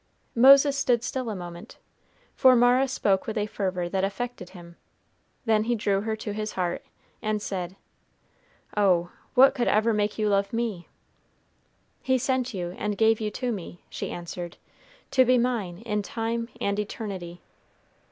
Moses stood still a moment, for Mara spoke with a fervor that affected him; then he drew her to his heart, and said, "Oh, what could ever make you love me?" "He sent you and gave you to me," she answered, "to be mine in time and eternity."